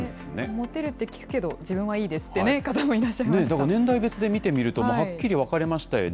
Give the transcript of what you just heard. モテるって聞くけど、自分はいいですってね、方もいらっしゃだから年代別で見てみるとはっきり分かれましたよね。